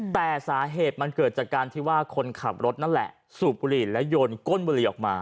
แต่สาเหตุมันเกิดจากการที่ว่าคนขับรถนั่นแหละสูบบุหรี่และโยนก้นบุหรี่ออกมา